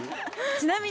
ちなみに。